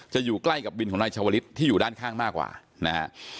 อยู่ใกล้กับวินของนายชาวลิศที่อยู่ด้านข้างมากกว่านะฮะ